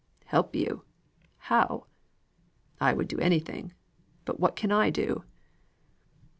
"Help you! How? I would do anything, but what can I do?"